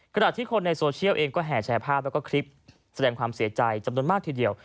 ขณะที่คนในโซเชียลเองก็แห่แชร์ภาพแล้วก็คลิปแสดงความเสียใจจำนวนมากทีเดียว